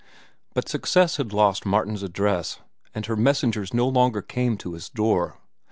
But success had lost Martin's address, and her messengers no longer came to his door.